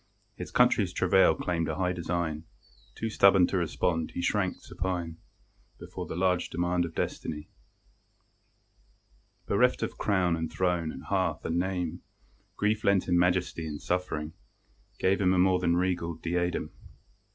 His country's travail claimed a high design; Too stubborn to respond, he shrank supine Before the large demand of destiny. Bereft of crown, and throne, and hearth and name, Grief lent him majesty, and suffering Gave him a more than regal diadem.